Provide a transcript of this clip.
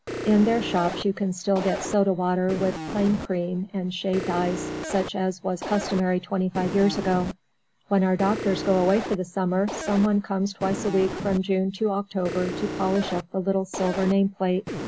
In their shops you can still get soda water with "plain cream" and shaved ice, such as was customary twenty five years ago. When our doctors go away for the summer, someone comes twice a week from June to October to polish up the little silver name plate.